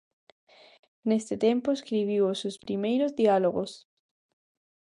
Neste tempo escribiu os seus primeiros diálogos.